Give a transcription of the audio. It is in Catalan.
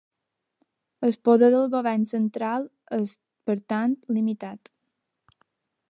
El poder del govern central és, per tant, limitat.